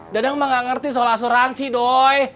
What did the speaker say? dadang mah gak ngerti soal asuransi doy